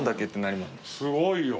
すごいよ。